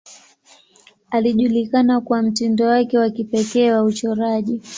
Alijulikana kwa mtindo wake wa kipekee wa uchoraji.